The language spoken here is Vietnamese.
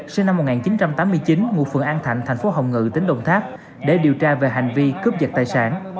sinh năm một nghìn chín trăm tám mươi chín ngụ phường an thạnh thành phố hồng ngự tỉnh đồng tháp để điều tra về hành vi cướp giật tài sản